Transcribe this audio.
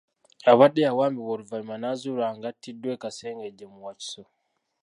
Abadde yawambibwa oluvannyuma n'azuulwa nga attiddwa e Kasengejje mu Wakiso.